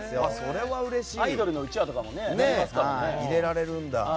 アイドルのうちわとかもありますからね。